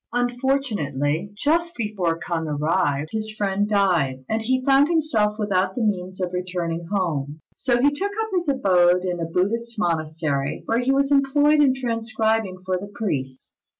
Unfortunately, just before K'ung arrived his friend died, and he found himself without the means of returning home; so he took up his abode in a Buddhist monastery, where he was employed in transcribing for the priests.